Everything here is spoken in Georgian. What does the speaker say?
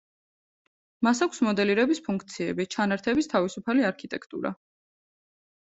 მას აქვს მოდელირების ფუნქციები, ჩანართების თავისუფალი არქიტექტურა.